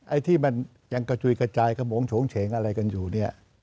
ไอ้ที่มันยังกระจุยกระจายขมงโฉงเฉงอะไรกันอยู่เนี่ย